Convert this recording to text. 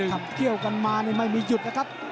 หลังจากที่ถับเกี่ยวกันมาไม่มีหยุดนะครับ